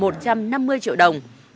một trăm năm mươi triệu đồng